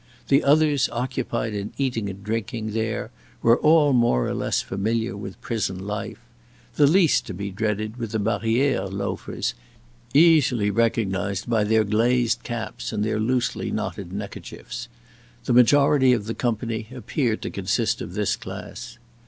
The others occupied in eating and drinking there were all more or less familiar with prison life. The least to be dreaded were the barriere loafers, easily recognized by their glazed caps and their loosely knotted neckerchiefs. The majority of the company appeared to consist of this class.